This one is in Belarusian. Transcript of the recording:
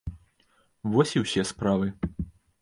Вось і ўсе справы.